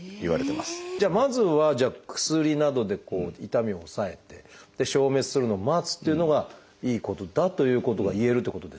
じゃあまずは薬などで痛みを抑えて消滅するのを待つっていうのがいいことだということがいえるということですか？